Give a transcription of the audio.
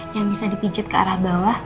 yang bisa dipijit ke arah bawah